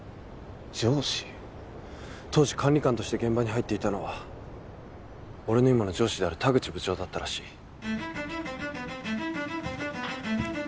当時管理官として現場に入っていたのは俺の今の上司である田口部長だったらしい。